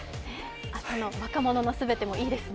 朝の「若者のすべて」もいいですね。